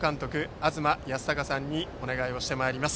東賢孝さんにお願いしてまいります。